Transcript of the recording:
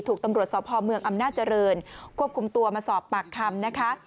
ถูกตำรวจสพเมืองอำนาจเจริญควบคุมตัวมาสอบปากคำนะคะ